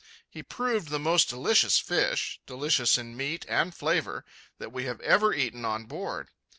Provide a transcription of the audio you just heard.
He proved the most delicious fish—delicious in meat and flavour—that we have ever eaten on board.